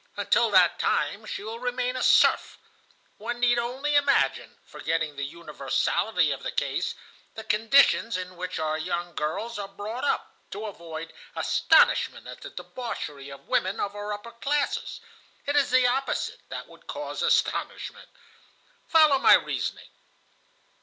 Until that time she will remain a serf. One need only imagine, forgetting the universality of the case, the conditions in which our young girls are brought up, to avoid astonishment at the debauchery of the women of our upper classes. It is the opposite that would cause astonishment. "Follow my reasoning.